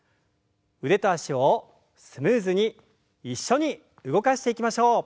腕と脚をスムーズに一緒に動かしていきましょう。